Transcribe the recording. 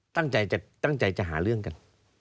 ตั้งใจจะตั้งใจจะหาเรื่องกัน